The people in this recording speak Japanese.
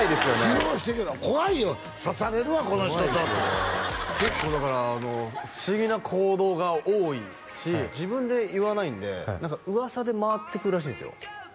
白うしてるけど怖いよ刺されるわこの人って結構だから不思議な行動が多いし自分で言わないんで噂で回ってくるらしいんですよ